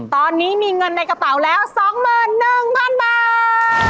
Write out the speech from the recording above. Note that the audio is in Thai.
ตอนนี้มีเงินในกระเป๋าแล้วสองหมื่นหนึ่งพันบาท